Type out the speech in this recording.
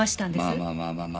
まあまあまあまあまあ